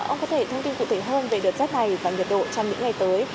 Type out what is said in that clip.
ông có thể thông tin cụ thể hơn về đợt rét này và nhiệt độ trong những ngày tới